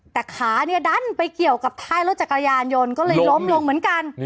แต่ขาเนี่ยดันไปเกี่ยวกับท้ายรถจักรยานยนต์ก็เลยล้มลงเหมือนกัน